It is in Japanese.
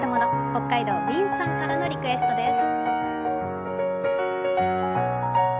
北海道Ｗｉｎさんからのリクエストです。